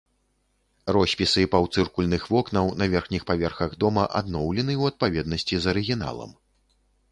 Роспісы паўцыркульных вокнаў на верхніх паверхах дома адноўлены ў адпаведнасці з арыгіналам.